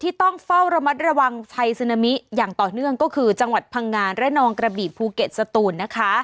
ต้องเฝ้าระมัดระวังไทยซึนามิอย่างต่อเนื่องก็คือจังหวัดพังงานระนองกระบี่ภูเก็ตสตูนนะคะ